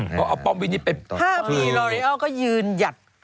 เพราะเอาปองวินิเป็นถ้ามีลอเรียลก็ยืนหยัด